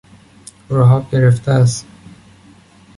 راه آب گرفته است.